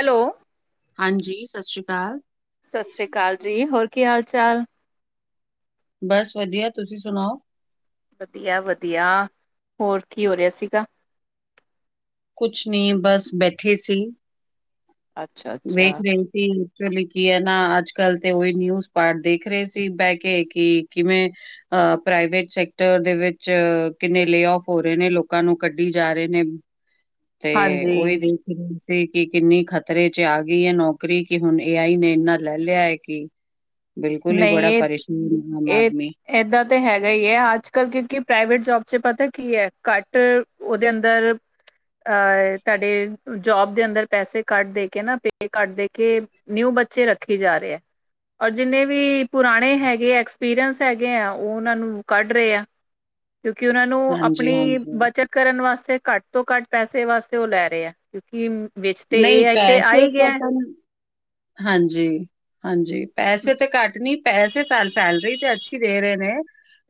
Hello ਹਾਂਜੀ, ਸਤਿ ਸ਼੍ਰੀ ਅਕਾਲ। ਸਤਿ ਸ੍ਰੀ ਅਕਾਲ ਜੀ, ਹੋਰ ਕੀ ਹਾਲ ਚਾਲ? ਬਸ ਵਧੀਆ, ਤੁਸੀਂ ਸੁਣਾਓ? ਵਧੀਆ, ਵਧੀਆ ਹੋਰ ਕੀ ਹੋ ਰਿਆ ਸੀਗਾ। ਕੁਛ ਨੀ ਬਸ ਬੈਠੇ ਸੀ, ਅੱਛਾ-ਅੱਛਾ। ਵੇਖ ਰੇ ਸੀ ਫਿਰ ਕੀ ਐ, ਨਾ ਅੱਜ ਕੱਲ ਤੇ ਉਹੀ ਨਿਊਜ਼ ਪਾਰਟ ਦੇਖ ਰਹੇ ਸੀ, ਬਹਿ ਕੇ ਕਿ ਕਿਵੇਂ ਅ ਪ੍ਰਾਈਵੇਟ ਸੈਕਟਰ ਦੇ ਵਿੱਚ ਕਿੰਨੇ ਲੇ ਆਫ ਹੋ ਰਹੇ, ਨੇ ਲੋਕਾਂ ਨੂੰ ਕੱਢੀ ਜਾ ਰੇ ਨੇ। ਤੇ ਹਾਂਜੀ, ਓਹੀ ਸੀ ਕਿ ਕਿੰਨੀ ਖਤਰੇ ਚ ਆ ਗਈ ਐ ਨੌਕਰੀ ਕਿ ਹੁਣ ਏ ਆਈ ਨੇ ਇੰਨਾ ਲੈ ਲਿਆ ਐ, ਕਿ ਬਿਲਕੁਲ ਈ ਬੜਾ ਪਰੇਸ਼ਾਨ ਐ ਆਮ ਆਦਮੀ। ਇਦਾਂ ਤਾਂ ਹੈਗਾ ਈ ਐ ਅੱਜ ਕਲ ਕਿਉਕਿ ਪ੍ਰਾਈਵੇਟ ਜੋਬ 'ਚ ਪਤਾ ਕੀ ਐ ਘੱਟ ਉਹਦੇ ਅੰਦਰ ਅ ਤੁਹਾਡੇ ਜੋਬ ਦੇ ਅੰਦਰ ਪੈਸੇ ਘੱਟ ਦੇ ਕੇ ਨਾ ਪੇ ਘੱਟ ਦੇ ਕੇ। ਨਿਊ ਬੱਚੇ ਰੱਖੇ ਜਾ ਰੇ ਐ। ਜਿਨੇ ਵੀ ਪੁਰਾਣੇ ਹੈਗੇ ਆ ਐਕਸਪੀਰੀਅੰਸ ਹੈਗੇ ਆ ਓ ਉਹਨਾਂ ਨੂੰ ਕੱਢ ਰੇ ਆ। ਕਿਉਂਕਿ ਉਹਨਾਂ ਨੂੰ ਹਾਂਜੀ ਆਪਣੀ ਹਾਂਜੀ ਬਚਤ, ਕਰਨ ਵਾਸਤੇ ਘੱਟ ਤੋਂ ਘੱਟ ਪੈਸੇ ਵਾਸਤੇ ਉਹ ਲੈ ਰੇ ਆ। ਕਿਉਂਕਿ ਵਿੱਚ ਤੇ ਏ ਨਹੀਂ ਆਈ ਤੇ ਆ ਪੈਸੇ ਈ ਗਿਆ। ਕਟਣ ਹਾਂਜੀ। ਹਾਂਜੀ, ਪੈਸੇ ਤੇ ਘੱਟ ਨੀ ਪੈਸੇ ਸ ਸੈਲਰੀ ਤੇ ਅੱਛੀ ਦੇ ਰੇ ਨੇ।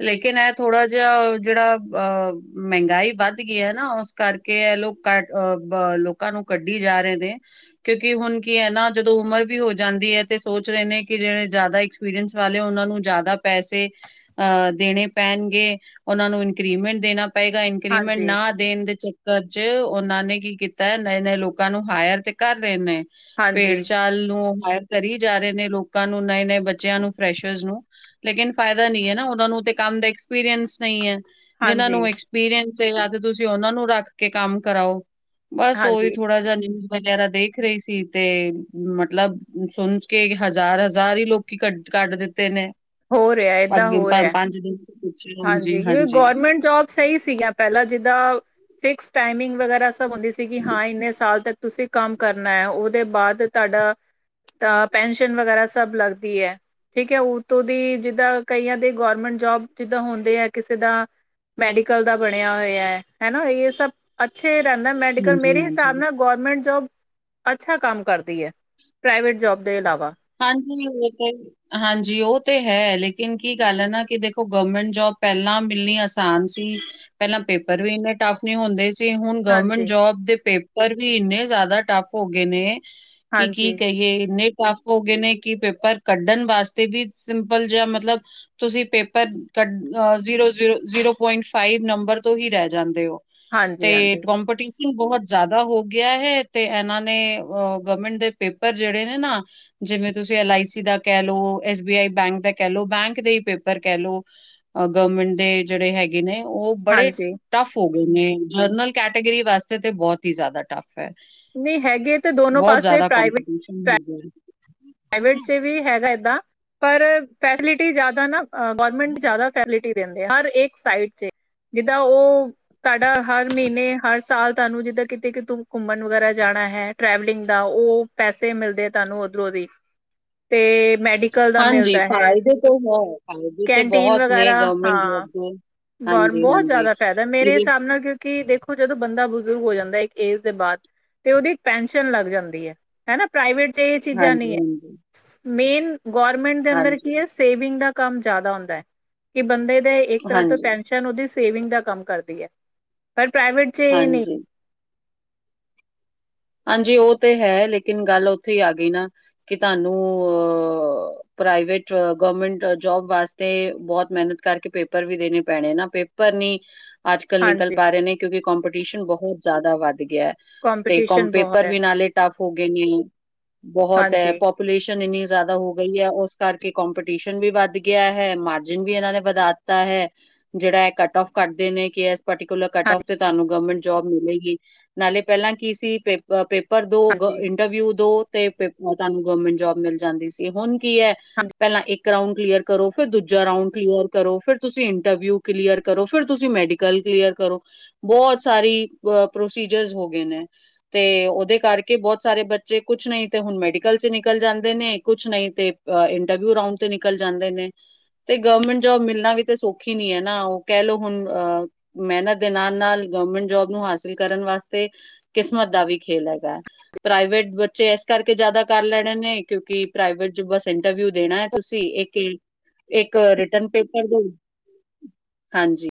ਲੇਕਿਨ ਏ ਥੋੜਾ ਜਿਹਾ ਜਿਹੜਾ ਅ ਮਹਿੰਗਾਈ ਵੱਧ ਗਈ ਐ ਨਾ ਓਸ, ਕਰਕੇ ਇਹ ਲੋਕ ਕ ਅਹ ਲੋਕਾ ਨੂੰ ਕੱਢੀ ਜਾ ਰੇ ਨੇ ਕਿਉਂਕਿ ਹੁਣ ਕੀ ਐ ਨਾ। ਜਦੋ ਉਮਰ ਵੀ ਹੋ ਜਾਦੀ ਐ ਤੇ ਸੋਚ ਰਹੇ ਨੇ ਕਿ ਜਿਹੜੇ ਜ਼ਿਆਦਾ ਐਕਸਪੀਰੀਅੰਸ ਵਾਲੇ ਉਹਨਾਂ ਨੂੰ ਜ਼ਿਆਦਾ ਪੈਸੇ। ਅਹ ਦੇਣੇ ਪੈਣਗੇ ਉਹਨਾ ਨੂੰ ਇਨਕਰੀਮੈਂਟ ਦੇਣਾ ਪਏਗਾ ਇਨਕਰੀਮੈਂਟ ਹਾਂਜੀ, ਨਾ। ਦੇਣ ਦੇ ਚੱਕਰ 'ਚ ਉਹਨਾਂ ਨੇ ਕੀ ਕੀਤਾ ਨਏ ਨਏ ਲੋਕਾ ਨੂੰ ਹਾਇਰ ਤੇ ਕਰ ਰੇ ਨੇ। ਭੇੜ ਹਾਂਜੀ, ਚਾਲ ਨੂੰ ਹਾਇਰ ਕਰੀ ਜਾ ਰੇ ਨੇ ਲੋਕਾ ਨੂੰ ਨਏ ਨਏ ਬੱਚਿਆਂ ਨੂੰ ਫਰੈਸ਼ਰਸ ਨੂੰ। ਲੇਕਿਨ ਫਾਇਦਾ ਨੀ ਐ ਨਾ ਉਹਨਾਂ ਨੂੰ ਤੇ ਕੰਮ ਦਾ ਐਕਸਪੀਰੀਅੰਸ ਨੀ ਐ। ਜਿਹਨਾ ਨੂੰ ਹਾਂਜੀ, ਐਕਸਪੀਰੀਸ ਜਾਂ ਤੇ ਤੁਸੀਂ ਉਹਨਾਂ ਨੂੰ ਰੱਖ ਕੇ ਕੰਮ ਕਰਾਓ। ਬਸ ਉਹੀ ਹਾਂਜੀ ਥੋੜਾ ਜਾ ਨਿਊਜ਼ ਵਗੈਰਾ ਦੇਖ ਰੇ ਸੀ। ਤੇ ਮਤਲਬ ਸੁੰਨ ਕੇ ਹਜ਼ਾਰ ਹਜ਼ਾਰ ਈ ਲੋਕੀ ਕੱ ਕੱਢ ਦਿੱਤੇ ਨੇ। ਹੋ ਰਿਹਾ ਏਦਾਂ ਹੋ ਰਿਆ। ਹਾਂਜੀ [unintelligible] ਹਾਂਜੀ ਕਿਉਂਕਿ ਗੌਰਮੈਂਟ ਜੋਬ ਸਹੀ ਸੀਗਾ ਪਹਿਲਾ ਜਿਦਾ ਫਿਕਸ ਟਾਈਮਿੰਗ ਵਗੈਰਾ ਸਭ ਹੁੰਦੀ ਸੀਗੇ ਸੀ, ਹਾਂ ਇਨੇ ਸਾਲ ਤੱਕ- ਤੁਸੀ ਕਮ ਕਰਨਾ ਐ। ਉਹਦੇ ਬਾਅਦ ਤੁਹਾਡਾ- ਤਾਂ ਪੈਨਸ਼ਨ ਵਗੈਰਾ ਸਭ ਲਗਦੀ ਹੈ। ਠੀਕ ਹੈ, ਉਤੋਂ ਦੀ ਜਿਦਾ ਕਈਆਂ ਦੀ ਗੌਰਮੈਟ ਜੋਬ- ਜਿਦਾ ਹੁੰਦੇ ਆ ਕਿਸੇ ਦਾ ਮੈਡੀਕਲ ਦਾ ਬਣਿਆ ਹੋਇਆ, ਹੈਨਾ ਇਹ ਸਭ- ਅਛੇ ਈ ਰਹਿੰਦਾ ਮੈਡੀਕਲ ਮੇਰੇ ਹਾਂਜੀ-ਹਾਂਜੀ। ਹਿਸਾਬ ਨਾਲ- ਗੌਰੌਰਮੈਂਟ ਜੋਬ ਅਛਾ ਕਮ ਕਰਦੀ ਹੈ, ਪ੍ਰਾਈਵੇਟ ਜੋਬ ਦੇ ਇਲਾਵਾ- ਹਾਂਜੀ- ਹਾਂਜੀ ਉਹ ਤੇ ਹੈ, ਲੇਕਿਨ ਕੀ ਗੱਲ ਹੈ ਨਾ, ਕਿ ਦੇਖੋ ਗਵਰਮੈਂਟ ਜੋਬ ਪਹਿਲਾ ਮਿਲਣੀ ਆਸਾਨ ਸੀ। ਪਹਿਲਾਂ ਪੇਪਰ ਵੀ ਇਨੇ ਟੱਫ ਨਹੀ ਹੁੰਦੇ ਸੀ। ਤੇ ਹੁਣ ਗਵਰਮੈਂਟ ਹਾਂਜੀ ਜੋਬ ਦੇ ਪੇਪਰ ਵੀ ਇਨੇ ਜਿਆਦਾ ਟੱਫ ਹੋ ਗਏ ਨੇ- ਕਿ ਕੀ ਹਾਂਜੀ ਕਹੀਏ ਇਨੇ ਟਫ- ਹੋ ਗਏ ਨੇ ਕਿ ਪੇਪਰ ਕੱਢਣ ਵਾਸਤੇ ਵੀ ਸਿੰਪਲ ਜੇਆ ਮਤਲਬ- ਤੁਸੀ ਪੇਪਰ ਕੱ zero- zero- zero point five number ਤੋਂ ਹੀ ਰਹਿ ਜਾਦੇ ਹੋ। ਤੇ ਹਾਂਜੀ ਹਾਂਜੀ ਕੰਪਫ ਕੰਪੀਟੀਸ਼ਨ ਬਹੁਤ ਜਿਆਦਾ ਹੋ ਗਿਆ ਹੈ। ਤੇ ਇਹਨਾ ਨੇ ਅਹ ਗਵਰਮੈਂਟ ਦੇ ਪੇਪਰ ਜਿਹੜੇ ਨੇ ਨਾ- ਜਿਵੇ ਤੁਸੀ ਐਲ ਆਈ ਸੀ ਦਾ ਕਹਿ ਲੋ, ਐਸ ਬੀ ਆਈ ਬੈਂਕ ਦਾ ਕਹਿ ਲੋ ਬੈਂਕ ਦੇ ਹੀ ਪੇਪਰ ਕਹਿ ਲੋ- ਅ ਗਵਰਮੈਂਟ ਦੇ ਜਿਹੜੇ ਹੈਗੇ ਨੇ ਉਹ ਬੜੇ- ਹਾਂਜੀ ਟਫ ਹੋ ਗਏ ਨੇ, ਜਨਰਲ ਕੈਟੇਗਰੀ ਵਾਸਤੇ ਤੇ ਬਹੁਤ ਹੀ ਜ਼ਿਆਦਾ ਟਫ- ਟਫ ਐ, ਨਹੀਂ ਹੈਗੇ ਤੇ ਦੋਨੋ ਬਹੁਤ ਪਾਸੇ ਜ਼ਿਆਦਾ ਪ੍ਰਾਈਵੇਟ ਕਮਪਟੀਸ਼ਨ ਹੋ ਗਯਾ। ਪ੍ਰਾਈਵੇਟ 'ਚ ਵੀ ਹੈਗਾ ਇਦਾ, ਪਰ ਫੈਸਿਲਿਟੀ ਜਿਆਦਾ ਨਾ ਗੌਰਮੈਂਟ ਜਿਆਦਾ- ਫੈਸਲਿਟੀ ਦੇਦੇ ਆ ਹਰ ਇਕ ਸਾਈਡ 'ਚ ਜਿਦਾ ਉਹ- ਤੁਹਾਡਾ ਹਰ ਮਹੀਨੇ ਹਰ ਸਾਲ ਤੁਹਾਨੂੰ ਜਿਦਾਂ ਕਿਤੇ ਕਿ ਤੂੰ- ਘੁੰਮਣ ਵਗੈਰਾ ਜਾਣਾ ਹੈ, ਟਰੈਵਲਿੰਗ ਦਾ ਉਹ ਪੈਸੇ ਮਿਲਦੇ ਤੁਹਾਨੂੰ ਉਧਰੋਂ ਦੀ- ਤੇ- ਮੈਡੀਕਲ ਦਾ ਹਾਂਜੀ, ਮਿਲਦਾ ਹੈ, ਫਾਇਦੇ ਤਾਂ ਹੈ, ਫਾਇਦੇ ਤੇ ਕੈਨਟੀਨ ਬਹੁਤ ਨੇ ਵਗੈਰਾ ਗਵਰਨਮੈਂਟ ਹਾਂ। ਜੋਬ ਦੇ। ਗੌਰਮ ਹਾਂਜੀ, ਬਹੁਤ ਹਾਂਜੀ। ਜਿਆਦਾ ਫਾਇਦਾ ਮੇਰੇ ਇਹਦੇ ਹਿਸਾਬ ਨਾਲ ਤੇ ਕਿ ਦੇਖੋ ਜਦੋਂ ਬੰਦਾ ਬਜ਼ੁਰਗ ਹੋ ਜਾਂਦਾ ਇੱਕ ਏਜ ਦੇ ਬਾਅਦ, ਤੇ ਉਹਦੀ ਇੱਕ ਪੈਨਸ਼ਨ ਲੱਗ ਜਾਂਦੀ ਹੈ ਹੈਨਾ ਪ੍ਰਾਈਵੇਟ ਚ ਇਹ ਚੀਜ਼ਾਂ ਨਹੀਂ ਹਾਂਜੀ, ਹੈ ਹਾਂਜੀ, ਮੇਨ ਗੌਰੌਰਮੈਂਟ ਦੇ ਅੰਦਰ ਹਾਂਜੀ, ਕੀ ਹੈ ਸੇਵਿੰਗ ਦਾ ਕੰਮ ਜ਼ਿਆਦਾ ਹੁੰਦਾ ਹੈ, ਕਿ ਬੰਦੇ ਦੇ ਇੱਕ ਤਰ੍ਹਾਂ ਤੋਂ ਹਾਂਜੀ, ਪੈਨਸ਼ਨ ਉਹਦੀ ਸੇਵਿੰਗ ਦਾ ਕੰਮ ਕਰਦੀ ਹੈ, ਪਰ ਪ੍ਰਾਈਵੇਟ ਚ ਇਹ ਨਹੀਂ ਹਾਂਜੀ ਹਾਂਜੀ ਉਹ ਤੇ ਹੈ ਲੇਕਿਨ ਗੱਲ ਉੱਥੇ ਹੀ ਆ ਗਈ ਨਾ, ਕਿ ਤੁਹਾਨੂੰ ਅ ਪ੍ਰਾਈਵੇਟ ਗਵਰਮੈਂਟ ਜੋਬ ਵਾਸਤੇ ਬਹੁਤ ਮਿਹਨਤ ਕਰਕੇ ਪੇਪਰ ਵੀ ਦੇਣੇ ਪੈਣੇ ਨਾ ਫਿਰ ਪਰ ਨਹੀਂ ਅੱਜ ਕੱਲ੍ਹ ਨਿਕਲ ਹਾਂਜੀ ਪਾ ਰਹੇ ਨੇ, ਕਿਉਂਕਿ ਕੋਂਪੀਟੀਸ਼ਨ ਬਹੁਤ ਜ਼ਿਆਦਾ ਵੱਧ ਗਿਆ ਕੰਪੀ ਤੇ ਕਮ ਪੇਪਰ ਵੀ ਨਾਲੇ ਟਫ ਹੋ ਗਏ ਨੇ, ਬਹੁਤ ਹੈ ਹਾਂਜੀ ਪੂਲੇਸ਼ਨ ਇੰਨੀ ਜ਼ਿਆਦਾ ਹੋ ਗਈ ਹੈ, ਉਸ ਕਰਕੇ ਕੋਂਪੀਟੀਸ਼ਨ ਵੀ ਵੱਧ ਗਿਆ ਹੈ ਮਾਰਜਨ ਵੀ ਇਹਨਾਂ ਨੇ ਵਧਾ ਦਿਤਾ ਹੈ ਜਿਹੜਾ ਹੈ ਕੱਟ ਔਫ ਕਰਦੇ ਨੇ ਕਿ ਇਸਟੀਕਲਰ ਕਟ ਹਾਂਜੀ ਔਫ ਤੇ ਤੁਹਾਨੂੰ ਗਵਰਮੈਂਟ ਜੋਬ ਮਿਲੇਗੀ ਨਾਲੇ ਪਹਿਲਾਂ ਕੀ ਸੀ ਪੇਪਰ ਪੇਪਰ ਦੋ ਹਾਂਜੀ ਹਾਂਜੀ ਇੰਟਰਵਿਊ ਦੋ ਤੇ ਤੁਹਾਨੂੰ ਗਵਰਮੈਂਟ ਜੋਬ ਮਿਲ ਜਾਂਦੀ ਸੀ, ਹੁਣ ਕੀ ਹੈ, ਪਹਿਲਾਂ ਇੱਕ ਇਕ ਰਾਂਉਡ ਕਲੀਅਰ ਕਰੋ, ਫਿਰ ਦੂਜਾ ਰਾਊਂਡ ਕਲੀਅਰ ਕਰੋ, ਫਿਰ ਤੁਸੀਂ ਇੰਟਰਵਿਊ ਕਲੀਅਰ ਕਰੋ, ਫਿਰ ਤੁਸੀਂ ਮੈਡੀਕਲ ਕਲ ਕਲੀਅਰ ਕਰੋ, ਬਹੁਤ ਸਾਰੀ ਅ ਪ੍ਰੋਸੀਜਰ ਹੋ ਗਏ ਨੇ ਤੇ ਓਹਦੇ ਕਰਕੇ ਬੋਤ ਸਾਰੇ ਬੱਚੇ ਕੁਛ ਨਹੀਂ ਤੇ ਹੁਣ ਮੈਡੀਕਲ ਚ ਨਿਕਲ ਜਾਂਦੇ ਨੇ, ਕੁਛ ਨਹੀਂ ਤੇ ਇੰਟਰਵਿਊ ਰਾਊਂਡ ਤੇ ਨਿਕਲ ਜਾਂਦੇ ਨੇ। ਤੇ ਗੌਰਮੈਂਟ ਜੋਬ ਮਿਲਣਾ ਵੀ ਤਾਂ ਸੌਖੀ ਨੀ ਹੈ, ਓ ਕੈਹ ਲੋੋ ਹੁਣ ਅ ਮੇਹਨਤ ਦੇ ਨਾਲ-ਨਾਲ ਗਵੌਰਮੈਂਟ ਜੋਬ ਨੂੰ ਹਾਸਿਲ ਕਰਨ ਵਾਸਤੇ ਕਿਸਮਤ ਦਾ ਵੀ ਖੇਲ ਹੈਗਾ ਹੈ। ਪ੍ਰਾਈਵੇਟ ਬੱਚੇ ਏਸ ਕਰਕੇ ਜ਼ਿਆਦਾ ਕਰ ਲੈਣੇ ਨੇ। ਕਿਉਂਕਿ ਪ੍ਰਾਈਵੇਟ ਚ ਬਸ ਇੰਟਰਵਿਊ ਦੇਣਾ ਹੈ। ਤੁਸੀਂ ਇੱਕ ਕਿ ਇੱਕ ਰਿਟਨ ਪੇਪਰ ਦੇ ਹਾਂਜੀ।